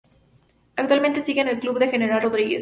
Actualmente sigue en el club de General Rodríguez.